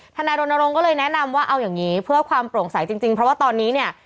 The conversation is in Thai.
นายรณรงค์ก็เลยแนะนำว่าเอาอย่างนี้เพื่อความโปร่งใสจริงเพราะว่าตอนนี้เนี่ย